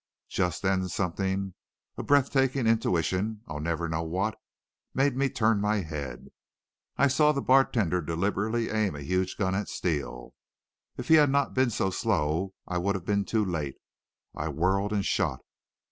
Just then something, a breathtaking intuition I'll never know what made me turn my head. I saw the bartender deliberately aim a huge gun at Steele. If he had not been so slow, I would have been too late. I whirled and shot.